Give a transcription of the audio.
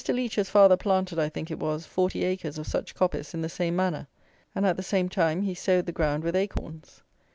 Leech's father planted, I think it was, forty acres of such coppice in the same manner; and, at the same time, he sowed the ground with acorns.